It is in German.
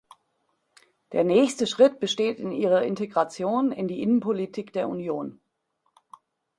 Der nächste Schritt besteht in ihrer Integration in die Innenpolitik der Union.